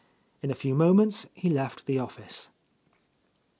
In a few moments he left the office.